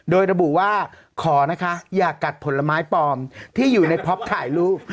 โดยระบุว่าขอนะคะอย่ากัดผลไม้ปลอมที่อยู่ในพ็อปถ่ายรูป